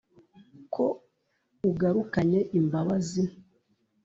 ko ugarukanye imbabazi